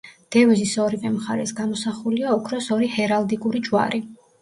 დევიზის ორივე მხარეს გამოსახულია ოქროს ორი ჰერალდიკური ჯვარი.